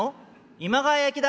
「今川焼きだ」。